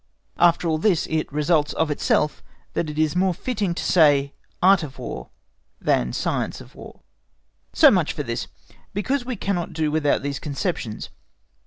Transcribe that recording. —After all this it results of itself that it is more fitting to say Art of War than Science of War. So much for this, because we cannot do without these conceptions.